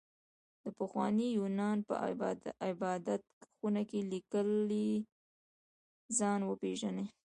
د پخواني يونان په عبادت خونه کې ليکلي ځان وپېژنئ.